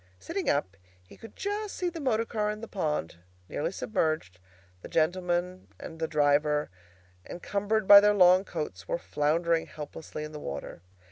Sitting up, he could just see the motor car in the pond, nearly submerged; the gentlemen and the driver, encumbered by their long coats, were floundering helplessly in the water.